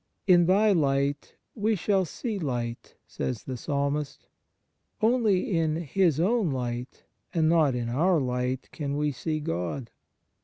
" In Thy light we shall see light," says the Psalmist. Only in His own light, and not in our light, can we see God.